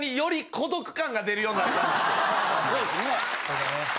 そうですね。